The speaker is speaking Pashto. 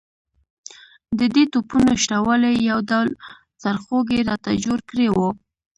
د دې توپونو شته والی یو ډول سرخوږی راته جوړ کړی وو.